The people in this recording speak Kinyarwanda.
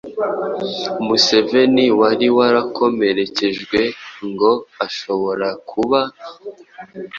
Museveni wari warakomerekejwe ngo ashobora kuba